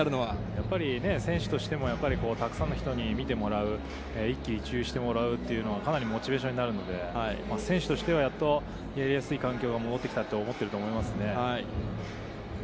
やっぱり選手もたくさんの人に見てもらう、一喜一憂してもらうのはモチベーションになるので、選手としては、やっとやりやすい環境が戻ってきたと思っていると思いますね。